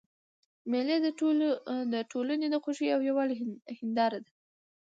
مېلې د ټولني د خوښۍ او یووالي هنداره ده.